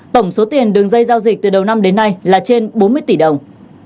tổng số tiền đường dây giao dịch từ đầu năm đến nay là trên bốn mươi tỷ đồng